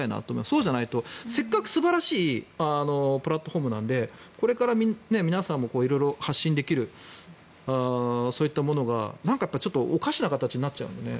そうじゃないとせっかく素晴らしいプラットフォームなのでこれから、皆さんも色々発信できるそういったものがなんかおかしな形になっちゃうのでね。